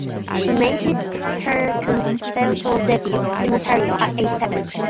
She made her concerto debut in Montreal at age seven.